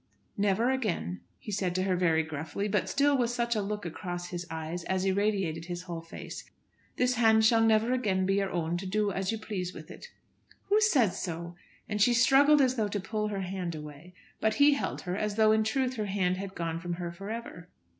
"Never again," he said to her very gruffly, but still with such a look across his eyes as irradiated his whole face. "This hand shall never again be your own to do as you please with it." "Who says so?" and she struggled as though to pull her hand away, but he held her as though in truth her hand had gone from her for ever.